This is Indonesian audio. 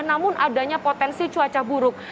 namun adanya potensi cuaca buruk